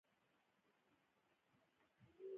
آیا د پښتنو په کلتور کې ازادي تر هر څه لوړه نه ده؟